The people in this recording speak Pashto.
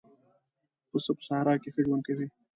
پسه په صحرا کې ښه ژوند کوي.